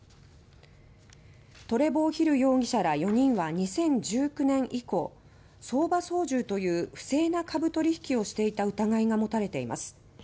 トレボー・ヒル容疑者ら４人は２０１９年以降相場操縦という不正な株取引をしていた疑いがもたれています。